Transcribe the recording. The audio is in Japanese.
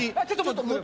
ちょっと。